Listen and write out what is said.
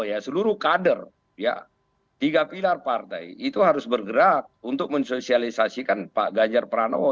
ya seluruh kader ya tiga pilar partai itu harus bergerak untuk mensosialisasikan pak ganjar pranowo